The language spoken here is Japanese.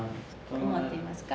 どう思っていますか？